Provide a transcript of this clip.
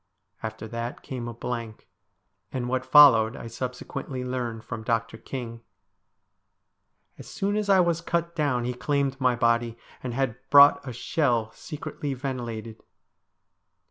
After that came a blank, and what followed I subsequently learned from Dr. King. As soon as I was cut down he claimed my body, and had brought a shell, secretly ventilated.